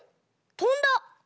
とんだ！